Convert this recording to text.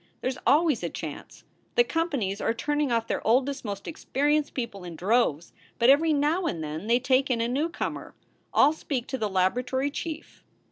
"There s always a chance. The companies are turning off their oldest, most experienced people in droves, but every now and then they take in a newcomer. I ll speak to the laboratory chief.